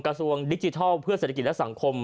กระทรวงดิจิทัลเพื่อเศรษฐกิจและสังคม